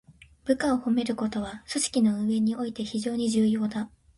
部下を褒めることは、組織の運営において非常に重要だ。